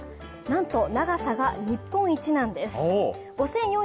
なんと、長さが日本一なんです。